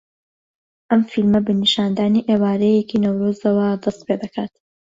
ئەم فیلمە بە نیشاندانی ئێوارەیەکی نەورۆزەوە دەست پێدەکات